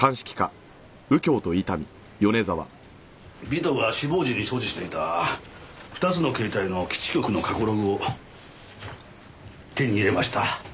尾藤が死亡時に所持していた２つの携帯の基地局の過去ログを手に入れました。